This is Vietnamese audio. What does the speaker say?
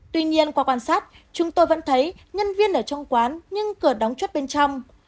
tuy nhiên qua quan sát chúng tôi vẫn thấy nhân viên ở trong quán nhưng cửa đóng chốt bên trong